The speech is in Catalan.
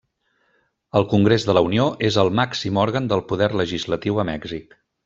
El Congrés de la Unió és el màxim òrgan del poder legislatiu a Mèxic.